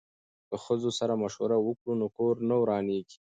که ښځو سره مشوره وکړو نو کور نه ورانیږي.